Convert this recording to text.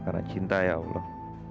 karena cinta ya allah